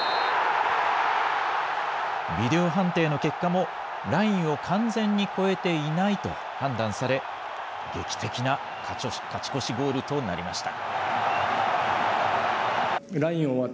ビデオ判定の結果も、ラインを完全に越えていないと判断され、劇的な勝ち越しゴールとなりました。